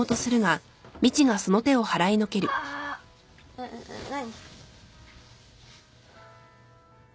えっ何？